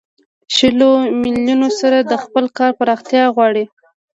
شلو میلیونو سره د خپل کار پراختیا غواړي